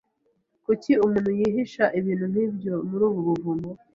Kuki umuntu yahisha ibintu nkibyo muri ubu buvumo?